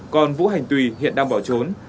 còn vũ hành tùy hiện đang bỏ trốn